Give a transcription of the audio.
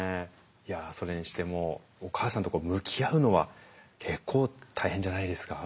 いやそれにしてもお母さんと向き合うのは結構大変じゃないですか？